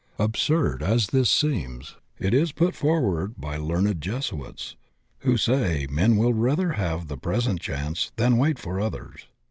Absurd as this seems, it is put forward by learned Jesuits, who say men will rather have the present chance than wait for others.